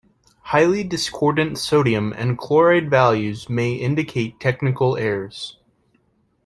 Highly discordant sodium and chloride values may indicate technical errors.